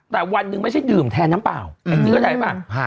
แต่วันหนึ่งไม่ใช่ดื่มแทนน้ำเปล่าแองจี้เข้าใจป่ะ